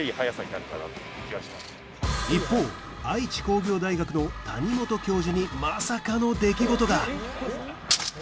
一方愛知工業大学の谷本教授にまさかの出来事が！